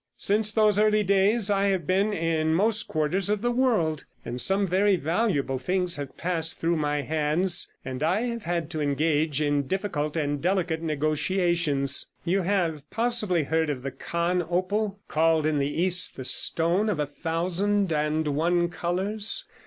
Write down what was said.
Since those early days I have been in most quarters of the world, and some very valuable things have passed through my hands, and I have had to engage in difficult and delicate negotiations. You have I possibly heard of the Khan opal called in the East "The Stone of a Thousand and One Colours"?